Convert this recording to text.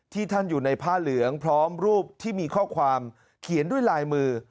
ท่านอยู่ในผ้าเหลืองพร้อมรูปที่มีข้อความเขียนด้วยลายมือ